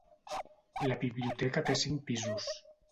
La biblioteca té cinc pisos.